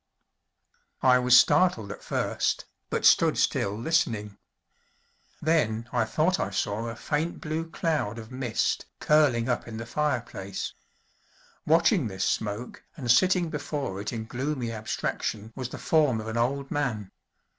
I was startled at first, but stood still listening; then I thought I saw a faint blue cloud of mist curling up in the fireplace. Watching this smoke and sitting before it in gloomy abstraction was the form of an old man.